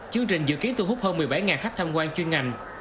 chương trình dự kiến thu hút hơn một mươi bảy khách tham quan chuyên ngành